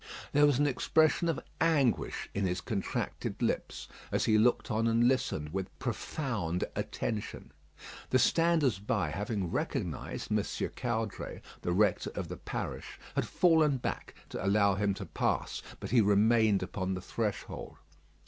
There was an expression of anguish in his contracted lips, as he looked on and listened with profound attention. The standers by having recognised M. Caudray, the rector of the parish, had fallen back to allow him to pass; but he remained upon the threshold.